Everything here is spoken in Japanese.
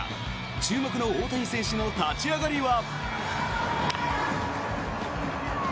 注目の大谷選手の立ち上がりは。